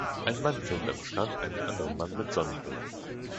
Ein Mann filmt am Strand einen anderen Mann mit Sonnenbrille.